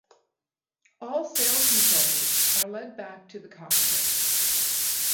All sail controls are led back to the cockpit.